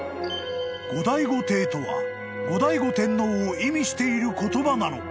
［「後醍醐帝」とは後醍醐天皇を意味している言葉なのか？］